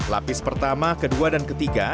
lapis pertama kedua dan ketiga